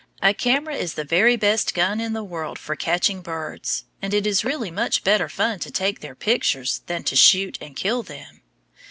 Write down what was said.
A camera is the very best gun in the world for catching birds. And it is really much better fun to take their pictures than to shoot and kill them.